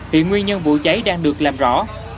hiện nguyên nhân vụ cháy đang được làm rõ